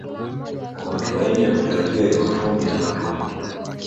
kwa matumaini na matarajio ya mafundi na watu wake